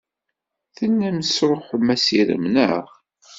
Tellam tesṛuḥem assirem, naɣ?